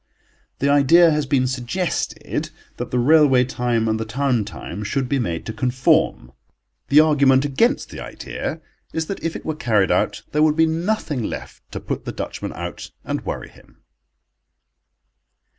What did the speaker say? The idea has been suggested that the railway time and the town time should be made to conform. The argument against the idea is that if it were carried out there would be nothing left to put the Dutchman out and worry him.